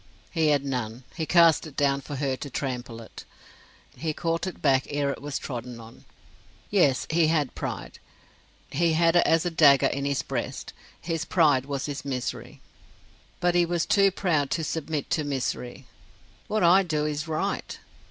He had none; he cast it down for her to trample it; he caught it back ere it was trodden on. Yes; he had pride: he had it as a dagger in his breast: his pride was his misery. But he was too proud to submit to misery. "What I do is right."